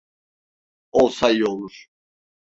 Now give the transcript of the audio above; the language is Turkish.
Olsa iyi olur.